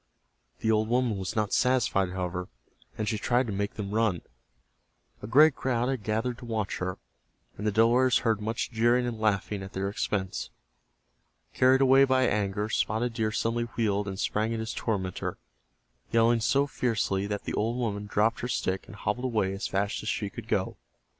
The old woman was not satisfied, however, and she tried to make them run. A great crowd had gathered to watch her, and the Delawares heard much jeering and laughing at their expense. Carried away by anger, Spotted Deer suddenly wheeled and sprang at his tormentor, yelling so fiercely that the old woman dropped her stick and hobbled away as fast as she could go.